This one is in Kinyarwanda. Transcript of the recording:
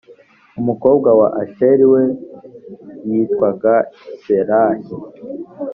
umukobwa wa asheri we yitwaga serahi.